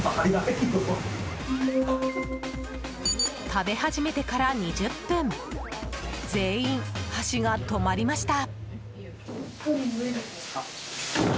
食べ始めてから２０分全員、箸が止まりました。